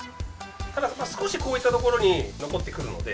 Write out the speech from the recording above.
ただ、少しこういった所に残ってくるので。